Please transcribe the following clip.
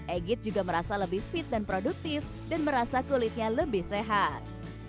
egit juga merasa lebih fit dan produktif dan merasa kulitnya lebih sehat